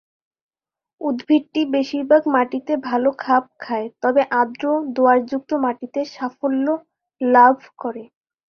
উদ্ভিদটি বেশিরভাগ মাটিতে ভাল খাপ খায় তবে আর্দ্র, দো-আঁশযুক্ত মাটিতে সাফল্য লাভ করে।